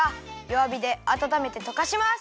わびであたためてとかします。